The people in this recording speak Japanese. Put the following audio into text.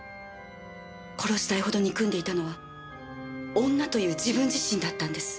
殺したいほど憎んでいたのは女という自分自身だったんです。